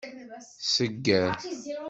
Segger.